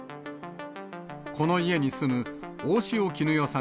この家に住む大塩衣与さん